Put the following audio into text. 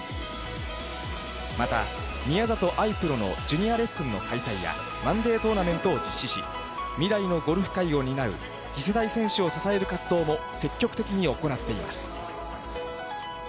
また、宮里藍プロのジュニアレッスンの開催やマンデートーナメントを実施し、未来のゴルフ界を担う次世代選手を支える活動も積極的に行っています。